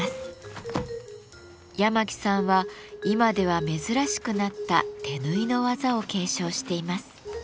八巻さんは今では珍しくなった手縫いの技を継承しています。